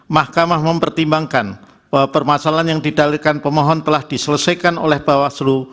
mahkamah mempertimbangkan bahwa permasalahan yang didalikan pemohon telah diselesaikan oleh bawaslu